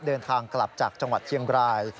เดินทางกลับจากจังหวัดเชียงราย